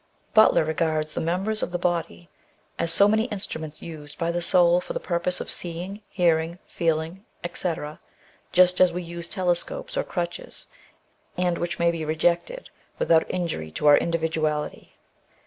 Butler regards the members of the body as so many instruments used by the soul for tlie purpose of seeing, hearing, feeling, &c., just as we use telescopes or crutches, and which may be rejected with out injury to our individuaUty.